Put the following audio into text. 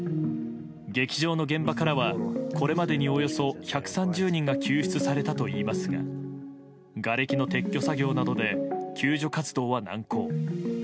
劇場の現場からはこれまでに、およそ１３０人が救出されたといいますががれきの撤去作業などで救助活動は難航。